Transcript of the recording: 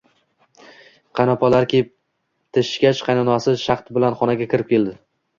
Qaynopalari ketishgach qaynonasi shahd bilan xonasiga kirib keldi